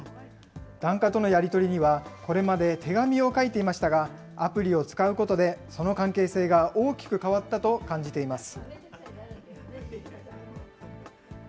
檀家とのやり取りには、これまで手紙を書いていましたが、アプリを使うことで、その関係性が大きく変わったと感じています。